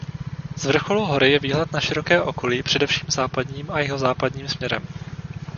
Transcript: Z vrcholu hory je výhled na široké okolí především západním a jihozápadním směrem.